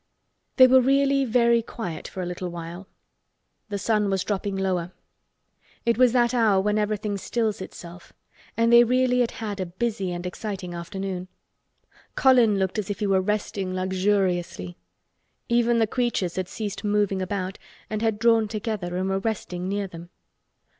They were really very quiet for a little while. The sun was dropping lower. It was that hour when everything stills itself, and they really had had a busy and exciting afternoon. Colin looked as if he were resting luxuriously. Even the creatures had ceased moving about and had drawn together and were resting near them.